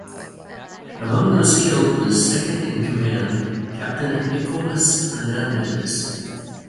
Among those killed was second-in-command, Captain Nicolas Hernandez.